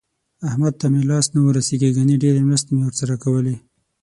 احمد ته مې لاس نه ورسېږي ګني ډېرې مرستې مې ورسره کولې.